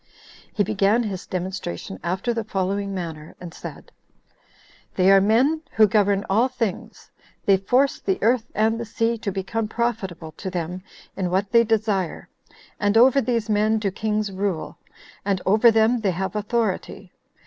He began his demonstration after the following manner; and said, "They are men who govern all things; they force the earth and the sea to become profitable to them in what they desire, and over these men do kings rule, and over them they have authority.